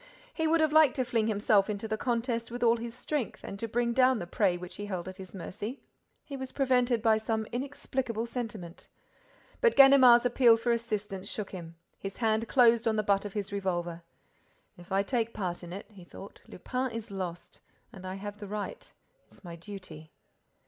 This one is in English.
He would have liked to fling himself into the contest with all his strength and to bring down the prey which he held at his mercy. He was prevented by some inexplicable sentiment. But Ganimard's appeal for assistance shook him. His hand closed on the butt of his revolver: "If I take part in it," he thought, "Lupin is lost. And I have the right—it's my duty."